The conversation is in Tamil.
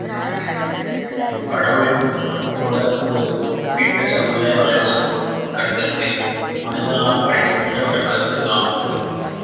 கடவுள் கூட ஒரு குறிப்பிட்ட சமுதாய வளர்ச்சி கட்டத்தில் மனிதனால் படைக்கப்பட்ட ஒரு கருத்துத்தான்.